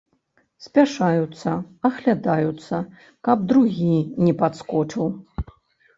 Спяшаюцца, аглядаюцца, каб другі не падскочыў.